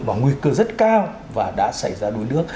và nguy cơ rất cao và đã xảy ra đuối nước